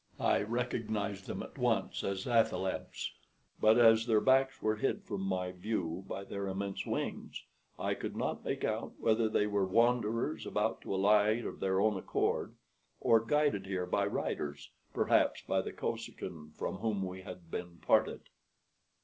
I recognized them at once as athalebs; but as their backs were hid from view by their immense wings, I could not make out whether they were wanderers about to alight of their own accord, or guided here by riders perhaps by the Kosekin from whom we had been parted.